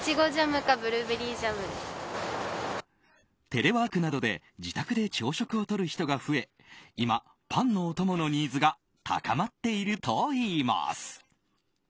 テレワークなどで自宅で朝食をとる人が増え今、パンのおとものニーズが高まっているといいます。